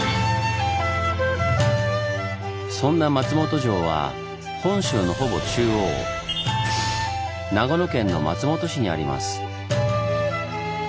そんな松本城は本州のほぼ中央長野県の松本市にあります。